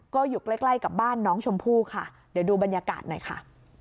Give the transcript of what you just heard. ก็อยู่ใกล้ใกล้กับบ้านน้องชมพู่ค่ะเดี๋ยวดูบรรยากาศหน่อยค่ะ